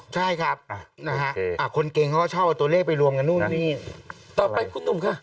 ใช่ครับคนเก่งเขาก็ชอบเอาตัวเลขไปรวมกันต่อไปคุณหนุ่มค่ะ